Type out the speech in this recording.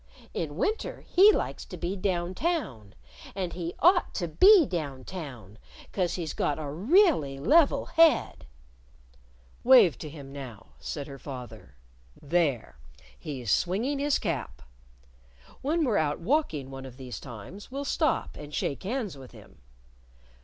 In winter he likes to be Down Town. And he ought to be Down Town, 'cause he's got a really level head " "Wave to him now," said her father. "There! He's swinging his cap! When we're out walking one of these times we'll stop and shake hands with him!"